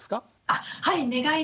あっはい。